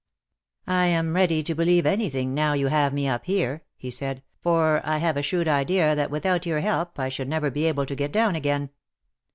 '' I am ready to believe anything now you have me up here/^ he said, "for I have a shrewd idea that without your help I should never be able to get down again.